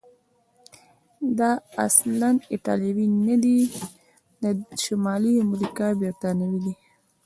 دی اصلا ایټالوی نه دی، د شمالي امریکا برتانوی دی.